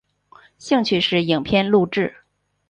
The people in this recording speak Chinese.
兴趣是影片录制。